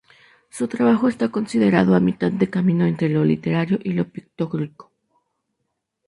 Su trabajo está considerado a mitad de camino entre lo literario y lo pictórico.